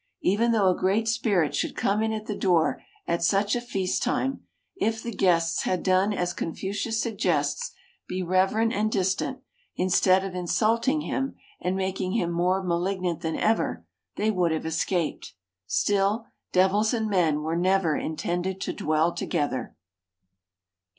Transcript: Even though a great spirit should come in at the door at such a feast time, if the guests had done as Confucius suggests, "Be reverent and distant," instead of insulting him and making him more malignant than ever, they would have escaped. Still, devils and men were never intended to dwell together.